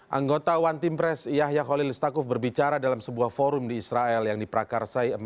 retno juga menyampaikan bahwa dia akan menjelaskan keberpihakan indonesia terhadap palestina